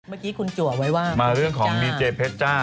เมื่อกี้คุณจัวไว้ว่าคุณเพชจ้ามาเรื่องของมีเจเพชจ้านะครับ